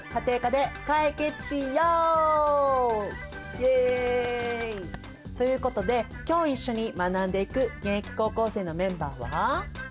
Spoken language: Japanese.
イエイ！ということで今日一緒に学んでいく現役高校生のメンバーは？